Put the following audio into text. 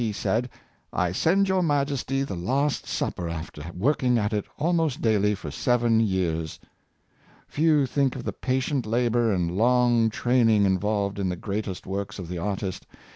he said, " I send your Majesty the ' Last Supper,' after working at it almost daily for seven years.'' Few think of the patient labor and long training involved in the greatest works of the artist.